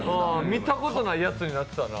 見たことないやつになってたな。